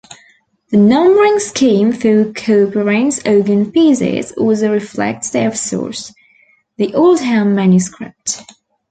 The numbering scheme for Couperin's organ pieces also reflects their source, the Oldham manuscript.